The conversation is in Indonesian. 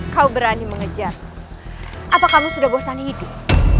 kau berani mengejar apa kamu sudah bosan hidup